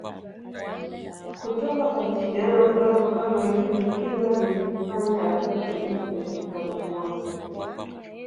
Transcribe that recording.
kutoka kwa kijana mdogo kama yule hilo lilimfanya atoke nje na kumuacha